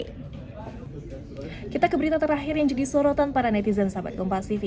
kita ke berita terakhir yang jadi sorotan para netizen sobatkompastv